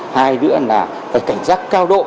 hai nữa là phải cảnh giác cao độ